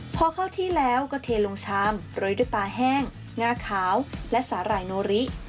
พอเข้าที่แล้วก็เทลงชามโรยด้วยปลาแห้งงาขาวและสาหร่ายโนริ